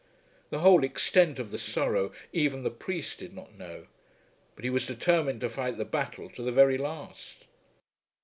The whole extent of the sorrow even the priest did not know. But he was determined to fight the battle to the very last.